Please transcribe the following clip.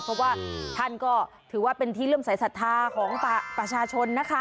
เพราะว่าท่านก็ถือว่าเป็นที่เริ่มสายศรัทธาของประชาชนนะคะ